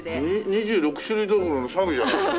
２６種類どころの騒ぎじゃないよ。